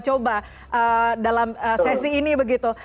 ya coba coba dalam sesi ini begitu